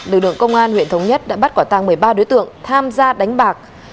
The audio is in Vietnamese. lực lượng công an huyện thống nhất đã bắt quả tăng một mươi ba đối tượng tham gia đánh bạc